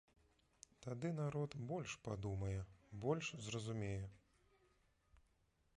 Тады народ больш падумае, больш зразумее.